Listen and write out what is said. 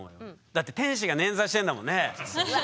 だって天使が捻挫してんだもんねえ。